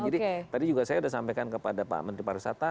jadi tadi juga saya sudah sampaikan kepada pak menteri pariwisata